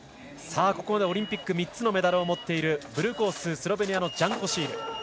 ここまでオリンピック３つのメダルを持っているブルーコース、スロベニアのジャン・コシール。